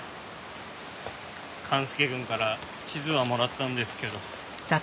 勘介くんから地図はもらったんですけど。